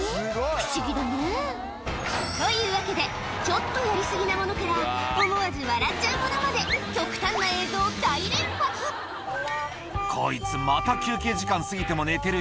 不思議だねというわけでちょっとやり過ぎなものから思わず笑っちゃうものまで「こいつまた休憩時間過ぎても寝てるよ」